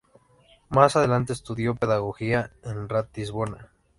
Mas adelante estudió pedagogía en Ratisbona.